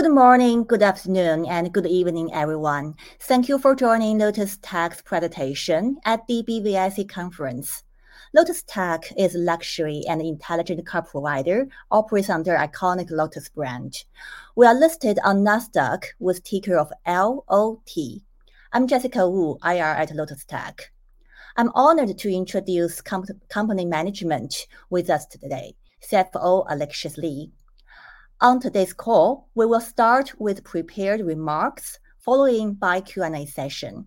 Good morning, good afternoon, and good evening, everyone. Thank you for joining Lotus Tech's presentation at DBIC conference. Lotus Tech is a luxury and intelligent car provider, operates under iconic Lotus brand. We are listed on Nasdaq with ticker of LOT. I'm Jessica Wu, IR at Lotus Tech. I'm honoured to introduce company management with us today, CFO Alexious Lee. On today's call, we will start with prepared remarks, following by Q&A session.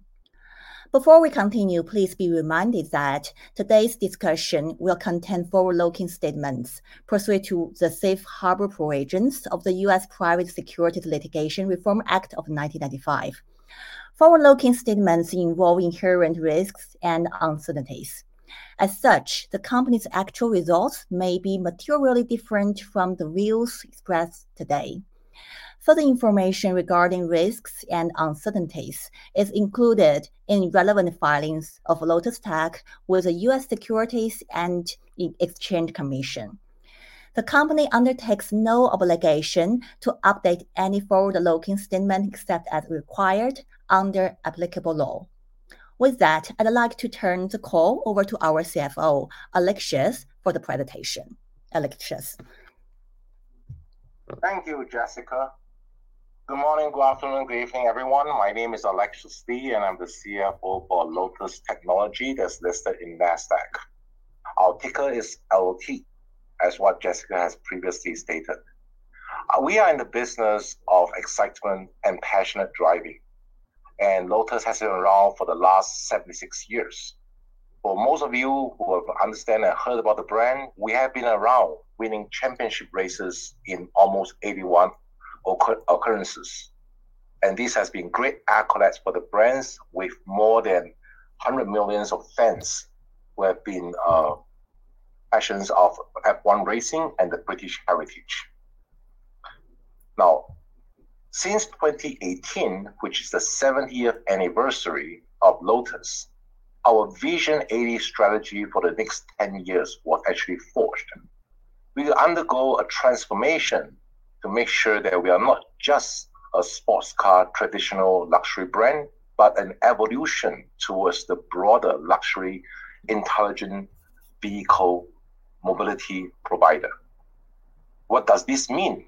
Before we continue, please be reminded that today's discussion will contain forward-looking statements pursuant to the Safe Harbor Provisions of the U.S. Private Securities Litigation Reform Act of 1995. Forward-looking statements involve inherent risks and uncertainties. As such, the company's actual results may be materially different from the views expressed today. Further information regarding risks and uncertainties is included in relevant filings of Lotus Tech with the U.S. Securities and Exchange Commission. The company undertakes no obligation to update any forward-looking statement, except as required under applicable law. With that, I'd like to turn the call over to our CFO, Alexious, for the presentation. Alexious. Thank you, Jessica. Good morning, good afternoon, good evening, everyone. My name is Alexious Lee, and I'm the CFO for Lotus Technology that's listed in Nasdaq. Our ticker is LOT, as what Jessica has previously stated. We are in the business of excitement and passionate driving, and Lotus has been around for the last 76 years. For most of you who have understand and heard about the brand, we have been around winning championship races in almost 81 occurrences, and this has been great accolades for the brands, with more than 100 millions of fans who have been passions of F1 racing and the British heritage. Now, since 2018, which is the 70 anniversary of Lotus, our Vision80 strategy for the next 10 years was actually forged. We will undergo a transformation to make sure that we are not just a sports car, traditional luxury brand, but an evolution towards the broader luxury, intelligent vehicle mobility provider. What does this mean?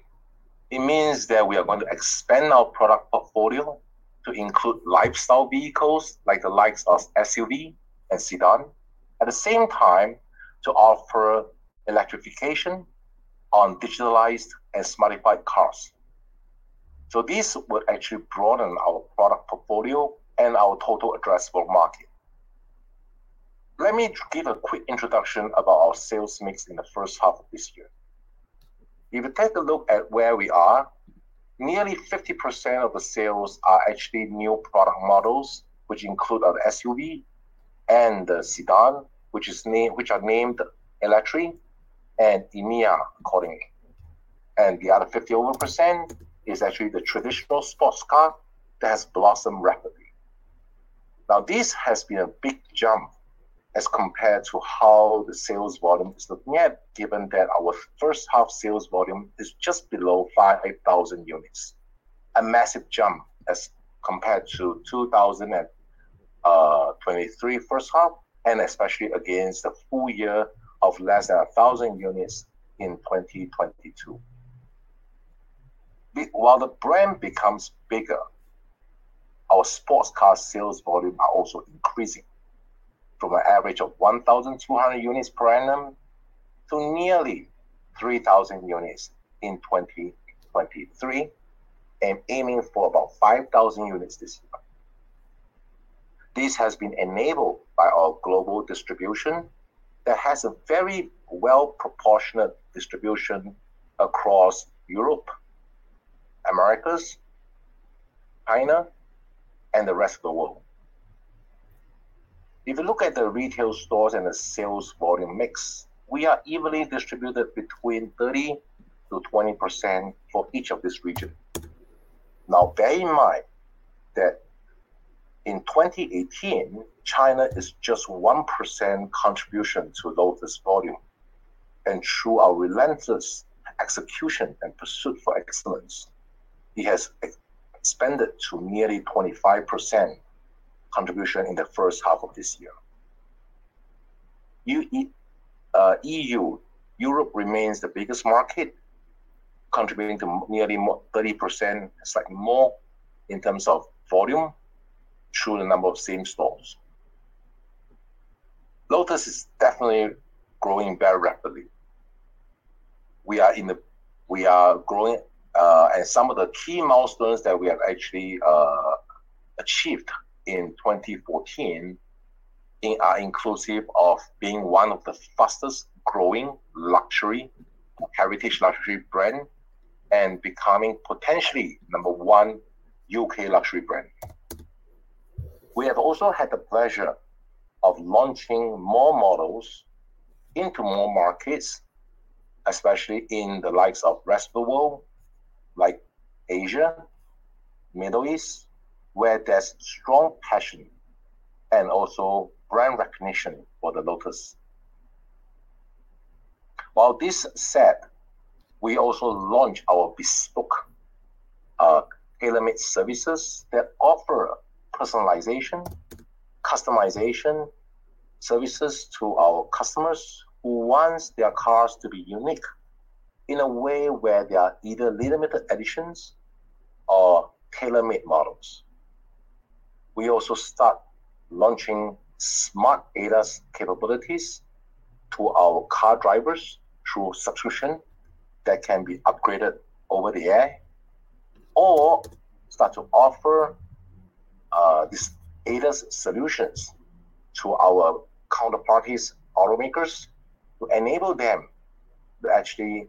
It means that we are going to expand our product portfolio to include lifestyle vehicles, like the likes of SUV and sedan. At the same time, to offer electrification on digitalized and smartified cars. So this will actually broaden our product portfolio and our total addressable market. Let me give a quick introduction about our sales mix in the H1 of this year. If you take a look at where we are, nearly 50% of the sales are actually new product models, which include our SUV and the sedan, which are named Eletre and Emeya, accordingly. The other 50% over is actually the traditional sports car that has blossomed rapidly. Now, this has been a big jump as compared to how the sales volume is looking at, given that our H1 sales volume is just below 5,000 units. A massive jump as compared to 2023 H1, and especially against the full year of less than 1,000 units in 2022. While the brand becomes bigger, our sports car sales volume are also increasing from an average of 1,200 units per annum to nearly 3,000 units in 2023, and aiming for about 5,000 units this year. This has been enabled by our global distribution that has a very well-proportionate distribution across Europe, Americas, China, and the rest of the world. If you look at the retail stores and the sales volume mix, we are evenly distributed between 30% to 20% for each of this region. Now, bear in mind that in 2018, China is just 1% contribution to Lotus volume, and through our relentless execution and pursuit for excellence, it has expanded to nearly 25% contribution in the H1 of this year. EU, Europe remains the biggest market, contributing to nearly more than 30%, slightly more in terms of volume through the number of same stores. Lotus is definitely growing very rapidly. We are growing, and some of the key milestones that we have actually achieved in 2014 are inclusive of being one of the fastest growing luxury, heritage luxury brand, and becoming potentially number one UK luxury brand. We have also had the pleasure of launching more models into more markets, especially in the likes of rest of the world, like Asia, Middle East, where there's strong passion and also brand recognition for the Lotus. That said, we also launched our bespoke tailor-made services that offer personalization, customization services to our customers who wants their cars to be unique in a way where they are either limited editions or tailor-made models. We also start launching smart ADAS capabilities to our car drivers through subscription that can be upgraded over the air, or start to offer these ADAS solutions to our counterparties, automakers, to enable them to actually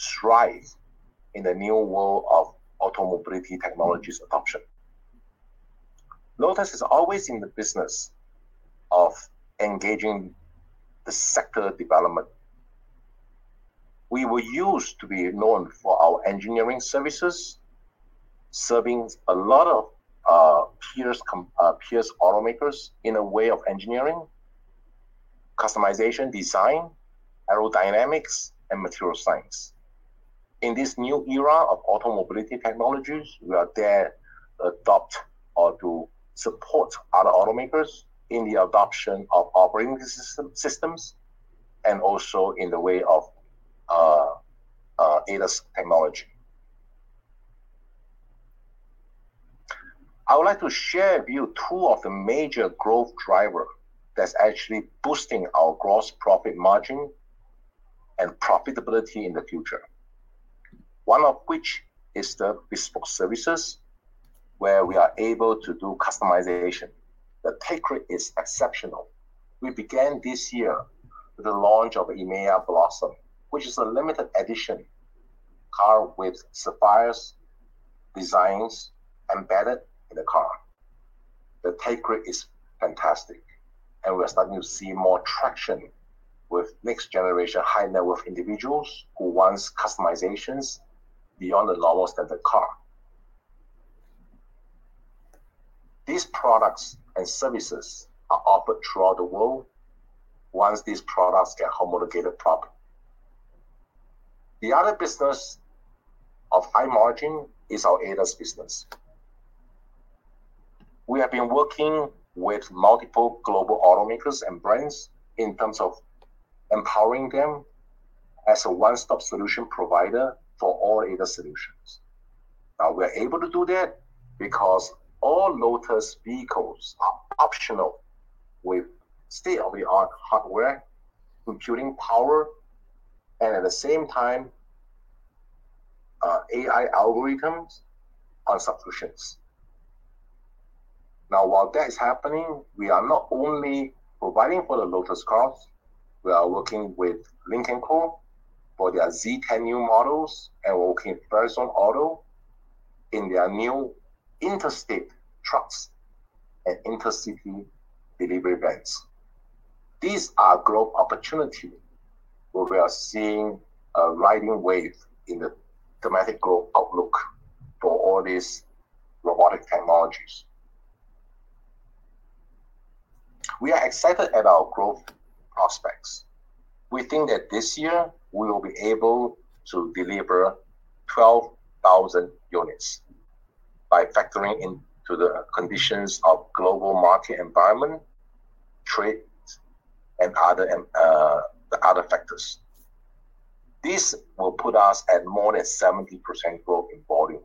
thrive in the new world of auto mobility technologies adoption. Lotus is always in the business of engaging the sector development. We were used to be known for our engineering services, serving a lot of peers automakers in a way of engineering, customization, design, aerodynamics, and material science. In this new era of auto mobility technologies, we are there to adopt or to support other automakers in the adoption of operating systems, and also in the way of ADAS technology. I would like to share with you two of the major growth driver that's actually boosting our gross profit margin and profitability in the future. One of which is the bespoke services, where we are able to do customization. The take rate is exceptional. We began this year with the launch of Emeya Blossom, which is a limited edition car with Sapphire's designs embedded in the car. The take rate is fantastic, and we are starting to see more traction with next-generation high-net-worth individuals who wants customizations beyond the levels of the car. These products and services are offered throughout the world once these products get homologated properly. The other business of high margin is our ADAS business. We have been working with multiple global automakers and brands in terms of empowering them as a one-stop solution provider for all ADAS solutions. Now, we're able to do that because all Lotus vehicles are optional with state-of-the-art hardware, computing power, and at the same time, AI algorithms on subscriptions. Now, while that is happening, we are not only providing for the Lotus cars, we are working with Lynk & Co for their Z10 new models, and working with Farizon Auto in their new interstate trucks and intercity delivery vans. These are growth opportunity, where we are seeing a riding wave in the dramatic growth outlook for all these robotic technologies. We are excited at our growth prospects. We think that this year we will be able to deliver 12,000 units by factoring into the conditions of global market environment, trade, and other, the other factors. This will put us at more than 70% growth in volume,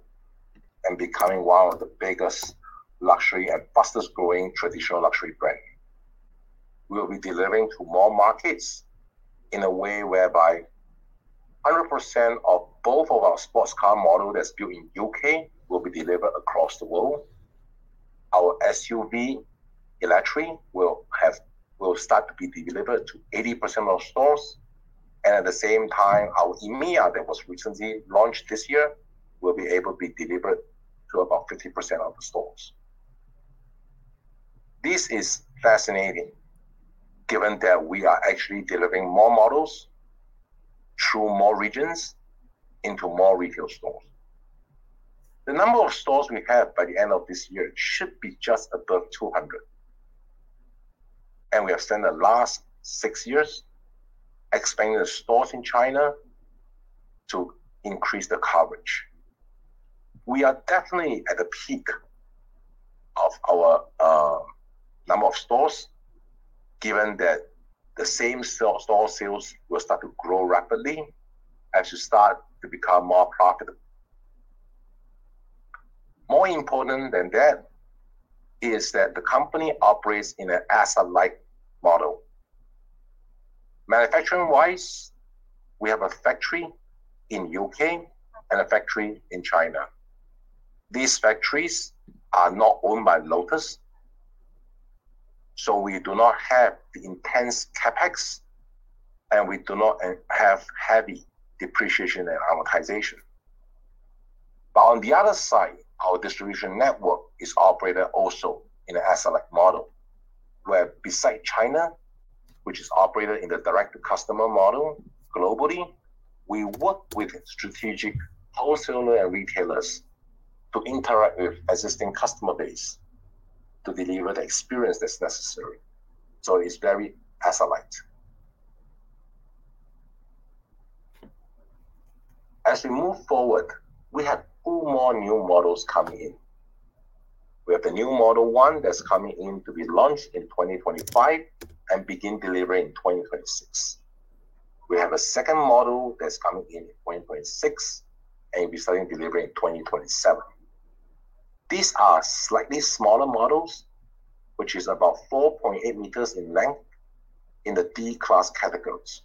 and becoming one of the biggest luxury and fastest growing traditional luxury brand. We'll be delivering to more markets in a way whereby 100% of both of our sports car model that's built in UK will be delivered across the world. Our SUV Eletre will start to be delivered to 80% of stores, and at the same time, our Emeya, that was recently launched this year, will be able to be delivered to about 50% of the stores. This is fascinating, given that we are actually delivering more models through more regions into more retail stores. The number of stores we have by the end of this year should be just above 200, and we have spent the last six years expanding the stores in China to increase the coverage. We are definitely at the peak of our number of stores, given that the same-store sales will start to grow rapidly as you start to become more profitable. More important than that is that the company operates in an asset-light model. Manufacturing-wise, we have a factory in UK and a factory in China. These factories are not owned by Lotus, so we do not have the intense CapEx, and we do not have heavy depreciation and amortization. But on the other side, our distribution network is operated also in an asset-light model, where besides China, which is operated in the direct-to-customer model globally, we work with strategic wholesalers and retailers to interact with existing customer base to deliver the experience that's necessary, so it's very asset-light. As we move forward, we have two more new models coming in. We have the new model one that's coming in to be launched in 2025, and begin delivering in 2026. We have a second model that's coming in in 2026, and be starting delivery in 2027. These are slightly smaller models, which is about 4.8m in length, in the D-class categories.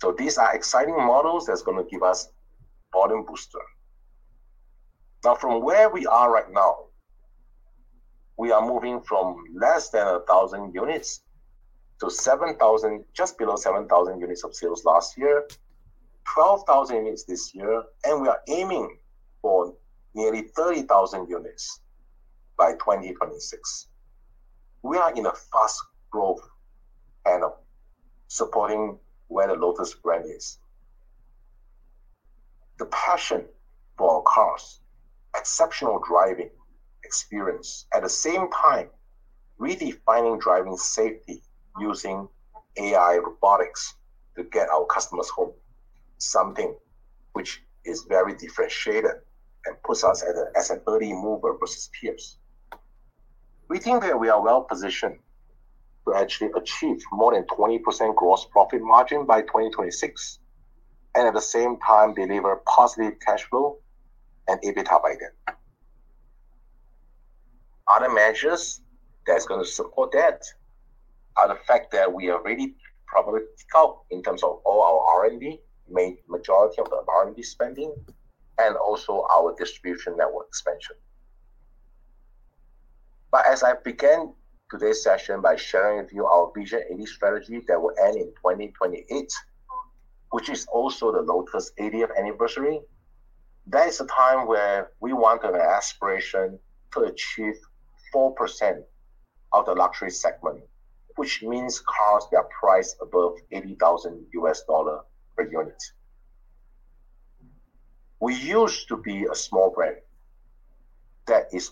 So these are exciting models that's gonna give us volume booster. Now, from where we are right now, we are moving from less than 1,000 units to 7,000, just below 7,000 units of sales last year, 12,000 units this year, and we are aiming for nearly 30,000 units by 2026. We are in a fast growth annual, supporting where the Lotus brand is. The passion for our cars, exceptional driving experience, at the same time redefining driving safety, using AI robotics to get our customers home, something which is very differentiated and puts us at a, as an early mover versus peers. We think that we are well-positioned to actually achieve more than 20% gross profit margin by 2026, and at the same time, deliver positive cash flow and EBITDA again. Other measures that's going to support that are the fact that we are already profitability scale in terms of all our R&D, majority of the R&D spending, and also our distribution network expansion. But as I began today's session by sharing with you our Vision80 strategy that will end in 2028, which is also the Lotus 80 anniversary, that is the time where we want an aspiration to achieve 4% of the luxury segment, which means cars that are priced above $80,000 per unit. We used to be a small brand that is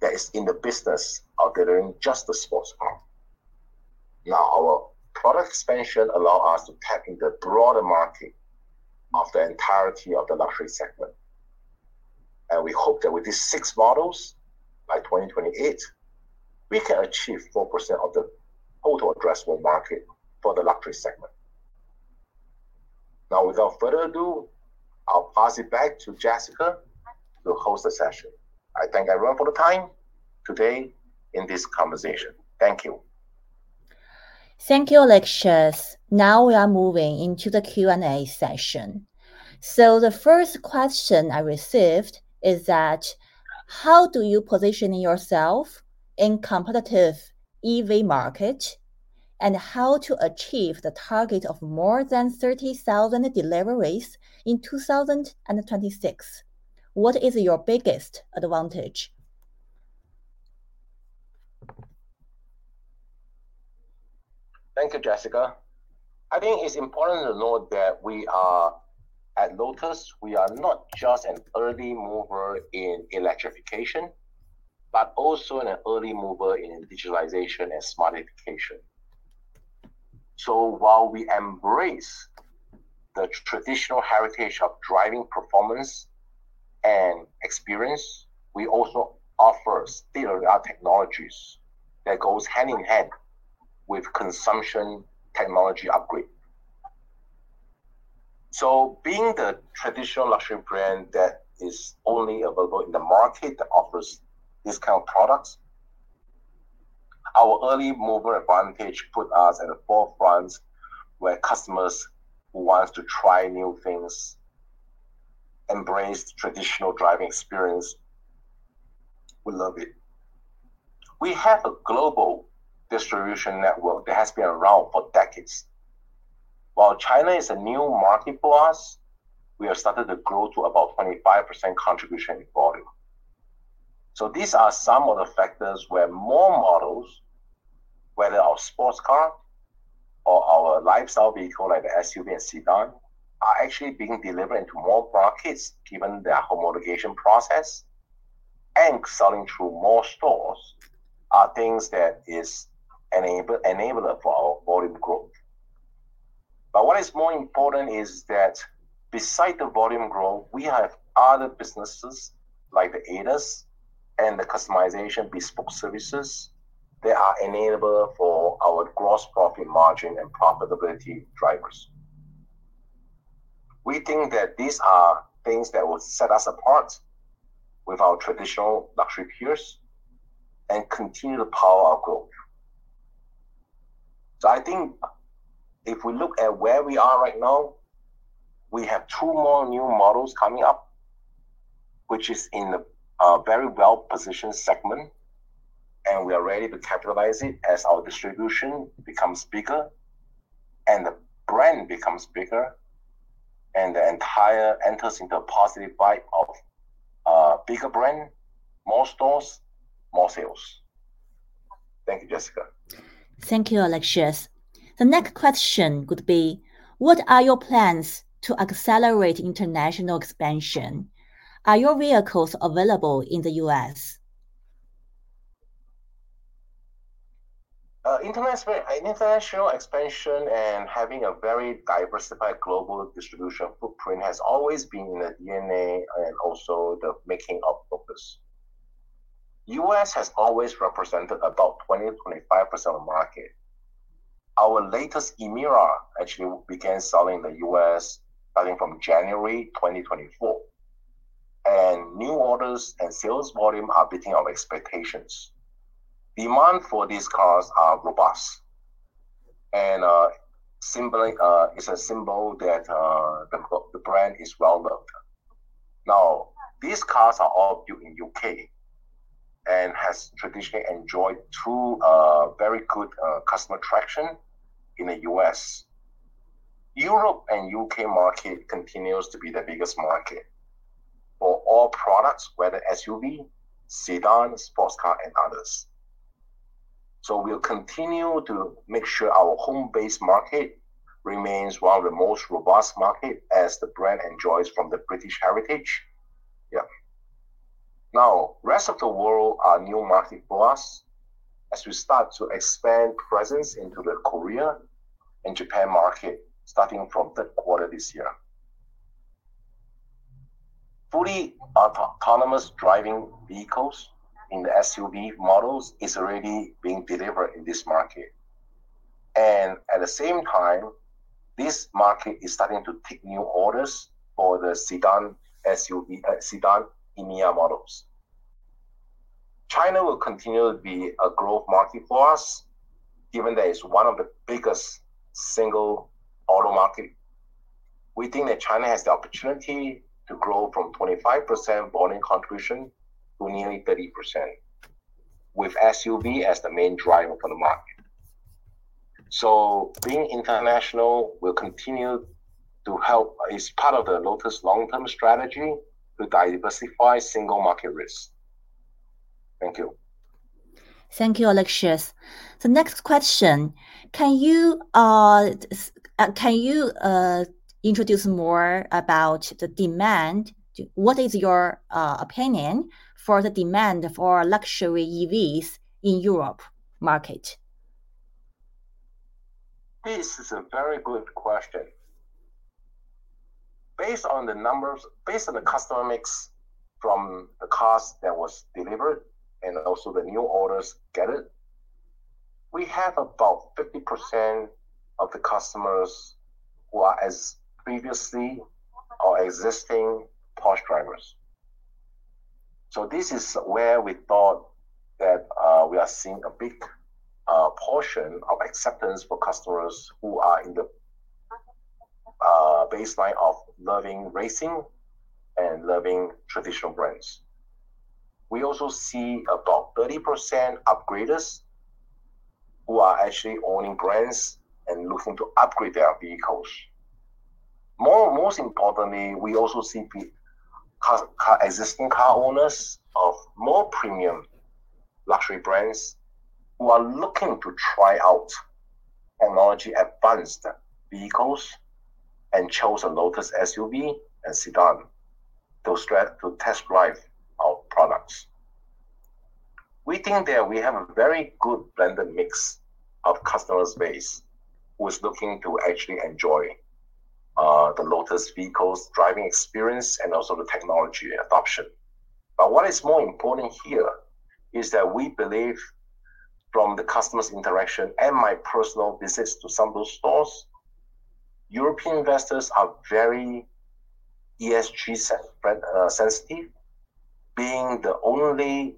that is in the business of delivering just the sports car. Now, our product expansion allow us to tap into the broader market of the entirety of the luxury segment, and we hope that with these six models, by 2028, we can achieve 4% of the total addressable market for the luxury segment. Now, without further ado, I'll pass it back to Jessica to host the session. I thank everyone for the time today in this conversation. Thank you. Thank you, Alexious. Now we are moving into the Q&A session. So the first question I received is that, "How do you position yourself in competitive EV market? And how to achieve the target of more than 30,000 deliveries in 2026? What is your biggest advantage?". Thank you, Jessica. I think it's important to note that, at Lotus, we are not just an early mover in electrification, but also an early mover in digitalization and smartification. So while we embrace the traditional heritage of driving performance and experience, we also offer state-of-the-art technologies that goes hand-in-hand with consumption technology upgrade. So being the traditional luxury brand that is only available in the market that offers discount products, our early mover advantage put us at the forefront where customers who wants to try new things, embrace traditional driving experience, will love it. We have a global distribution network that has been around for decades. While China is a new market for us, we have started to grow to about 25% contribution in volume. So these are some of the factors where more models, whether our sports car or our lifestyle vehicle, like the SUV and sedan, are actually being delivered into more markets, given their homologation process, and selling through more stores, are things that is enabler for our volume growth. But what is more important is that besides the volume growth, we have other businesses like the ADAS and the customization bespoke services that are enabler for our gross profit margin and profitability drivers. We think that these are things that will set us apart with our traditional luxury peers and continue to power our growth. So I think if we look at where we are right now, we have two more new models coming up, which is in a very well-positioned segment, and we are ready to capitalize it as our distribution becomes bigger, and the brand becomes bigger, and the entire enters into a positive vibe of a bigger brand, more stores, more sales. Thank you, Jessica. Thank you, Alexious. The next question could be, "What are your plans to accelerate international expansion? Are your vehicles available in the US?". International expansion and having a very diversified global distribution footprint has always been in the DNA and also the making of purpose. The US has always represented about 20% to 25% of the market. Our latest Emira actually began selling in the US starting from January 2024, and new orders and sales volume are beating our expectations. Demand for these cars are robust, and symbolic, it's a symbol that the brand is well-built. Now, these cars are all built in UK, and has traditionally enjoyed too very good customer traction in the US. Europe and UK market continues to be the biggest market for all products, whether SUV, sedan, sports car, and others. So we'll continue to make sure our home-based market remains one of the most robust market as the brand enjoys from the British heritage. Yeah. Now, rest of the world are new market for us as we start to expand presence into the Korea and Japan market, starting from Q3 this year. Fully autonomous driving vehicles in the SUV models is already being delivered in this market, and at the same time, this market is starting to take new orders for the sedan SUV, sedan, Emeya models. China will continue to be a growth market for us, given that it's one of the biggest single auto market. We think that China has the opportunity to grow from 25% volume contribution to nearly 30%, with SUV as the main driver for the market. So being international will continue to help, is part of the Lotus long-term strategy to diversify single market risk. Thank you. Thank you, Alexious. The next question, "Can you introduce more about the demand? What is your opinion for the demand for luxury EVs in Europe market?". This is a very good question. Based on the numbers, based on the customer mix from the cars that was delivered and also the new orders gathered, we have about 50% of the customers who are as previously our existing Porsche drivers, so this is where we thought that we are seeing a big portion of acceptance for customers who are in the baseline of loving racing and loving traditional brands. We also see about 30% upgraders who are actually owning brands and looking to upgrade their vehicles. Most importantly, we also see existing car owners of more premium luxury brands who are looking to try out technology-advanced vehicles and chose a Lotus SUV and sedan to test drive our products. We think that we have a very good blended mix of customer base, who is looking to actually enjoy the Lotus vehicles driving experience and also the technology adoption. But what is more important here is that we believe from the customer's interaction and my personal visits to some of those stores, European investors are very ESG sensitive, being the only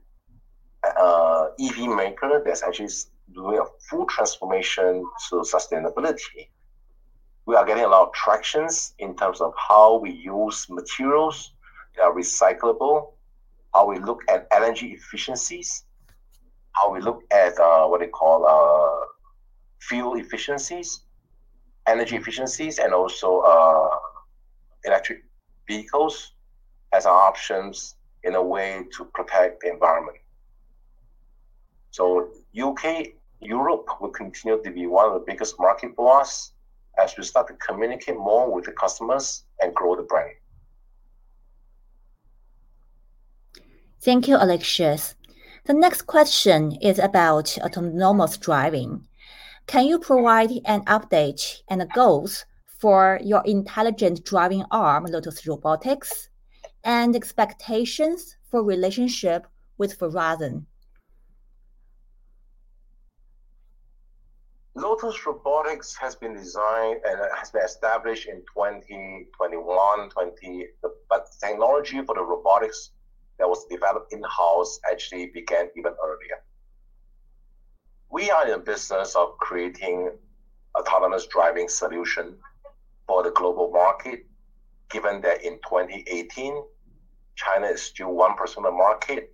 EV maker that's actually doing a full transformation to sustainability. We are getting a lot of traction in terms of how we use materials that are recyclable, how we look at energy efficiencies, and also electric vehicles as our options in a way to protect the environment. So UK, Europe will continue to be one of the biggest market for us as we start to communicate more with the customers and grow the brand. Thank you, Alexious. The next question is about autonomous driving. "Can you provide an update and the goals for your intelligent driving arm, Lotus Robotics, and expectations for relationship with Farizon?" Lotus Robotics has been designed and has been established in 2021. But the technology for the robotics that was developed in-house actually began even earlier. We are in the business of creating autonomous driving solution for the global market, given that in 2018, China is still 1% of the market,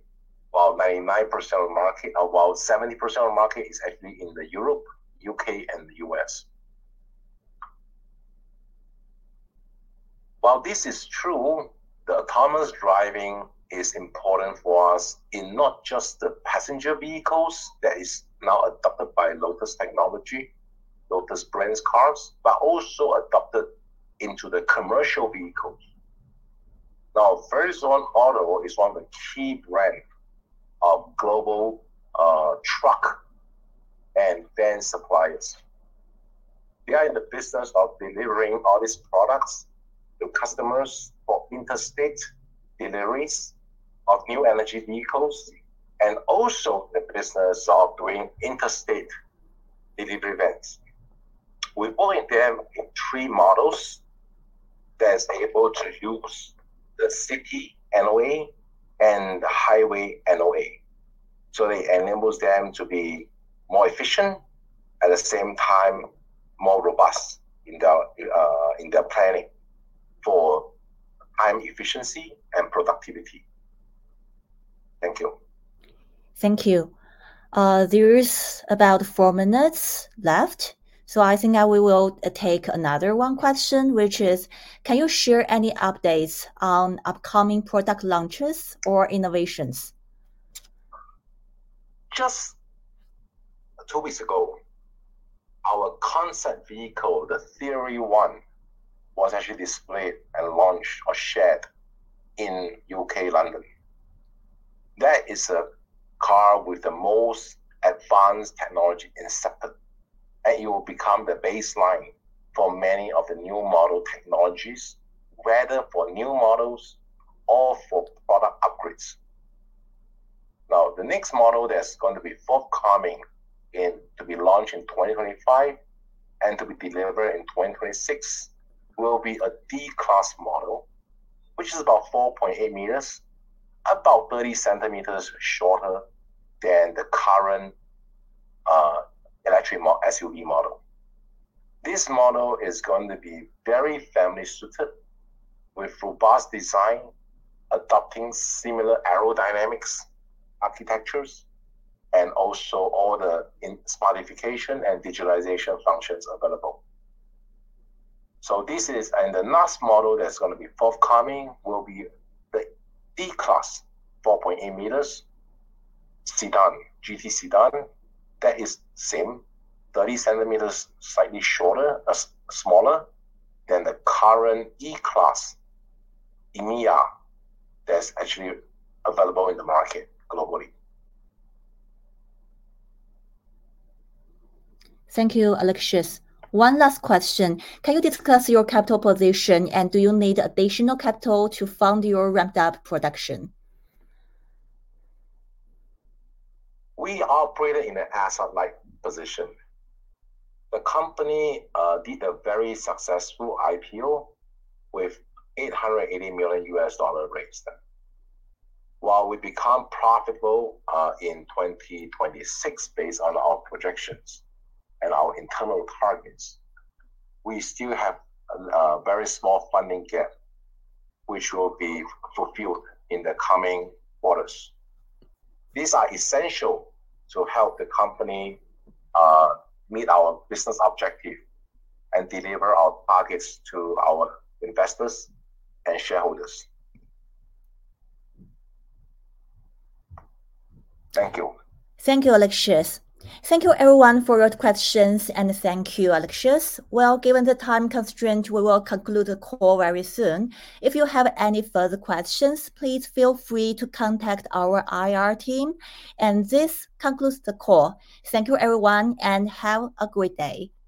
while 99% of the market, about 70% of the market is actually in Europe, UK, and the US. While this is true, the autonomous driving is important for us in not just the passenger vehicles that is now adopted by Lotus Technology, Lotus Brands cars, but also adopted into the commercial vehicles. Now, Farizon Auto is one of the key brand of global truck and van suppliers. We are in the business of delivering all these products to customers for interstate deliveries of new energy vehicles, and also the business of doing interstate delivery events. We employ them in three models that's able to use the City NOA and the Highway NOA. So it enables them to be more efficient, at the same time, more robust in their planning for time efficiency and productivity. Thank you. Thank you. There is about four minutes left, so I think that we will take another one question, which is, "Can you share any updates on upcoming product launches or innovations?" Just two weeks ago, our concept vehicle, the Theory 1, was actually displayed and launched or shared in UK, London. That is a car with the most advanced technology in the sector, and it will become the baseline for many of the new model technologies, whether for new models or for product upgrades. Now, the next model that's going to be forthcoming to be launched in 2025 and to be delivered in 2026, will be a D-class model, which is about 4.8m, about 30cm shorter than the current electric SUV model. This model is going to be very family-suited, with robust design, adopting similar aerodynamics architectures, and also all the smartification and digitalization functions available. So this is and the last model that's going to be forthcoming will be the D-class, 4.8m, sedan, GT sedan. That is the same 30cm, slightly shorter, smaller than the current E-Class Emeya that's actually available in the market globally. Thank you, Alexious. One last question, "Can you discuss your capital position, and do you need additional capital to fund your ramped-up production?" We operated in an asset-light position. The company did a very successful IPO with $880 million raised then. While we become profitable in 2026, based on our projections and our internal targets, we still have a very small funding gap, which will be fulfilled in the coming quarters. These are essential to help the company meet our business objective and deliver our targets to our investors and shareholders. Thank you. Thank you, Alexious. Thank you everyone for your questions, and thank you, Alexious. Given the time constraint, we will conclude the call very soon. If you have any further questions, please feel free to contact our IR team, and this concludes the call. Thank you, everyone, and have a great day.